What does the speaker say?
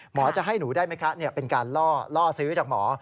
จะให้หนูได้ไหมคะเป็นการล่อซื้อจากหมอ